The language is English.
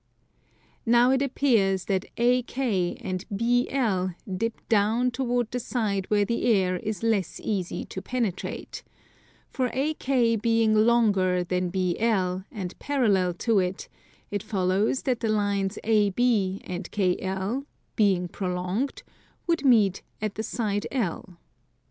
Now it appears that AK and BL dip down toward the side where the air is less easy to penetrate: for AK being longer than BL, and parallel to it, it follows that the lines AB and KL, being prolonged, would meet at the side L.